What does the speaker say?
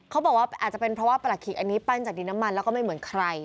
เขาบอกว่าอาจจะเป็นเพราะว่าปลาขิกอันนี้ปั้นจากดินน้ำมันแล้วก็ไม่เหมือนใคร